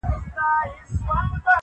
هغه چي اوس زما په مخه راسي مخ اړوي -